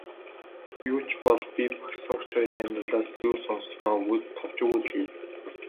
Юу ч бол би багш сурагч хоёрын амьдралаас юу сонссоноо товч өгүүлье.